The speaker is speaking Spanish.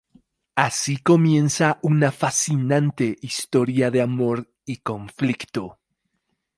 Así comienza una fascinante historia de amor y conflicto.